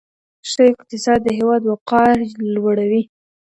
ښه اقتصاد د هیواد وقار لوړوي.